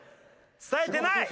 伝えてない！